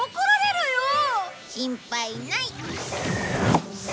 心配ない。